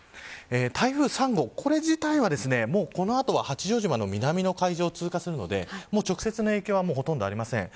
台風３号、これ自体はこの後は八丈島の南の海上を通過するので直接の影響はほとんどありません。